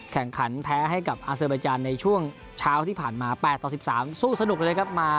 แพ้ให้กับอาเซอร์บาจานในช่วงเช้าที่ผ่านมา๘ต่อ๑๓สู้สนุกเลยครับ